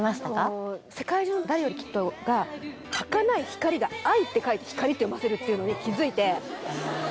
『世界中の誰よりきっと』が「はかない愛」が「愛」って書いて「ひかり」って読ませるっていうのに気づいて。